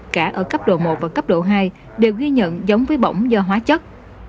cả ở cấp độ một và cấp độ hai đều ghi nhận giống với bỏng do hóa chất